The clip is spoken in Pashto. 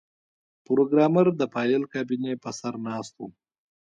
پروګرامر د فایل کابینې په سر ناست و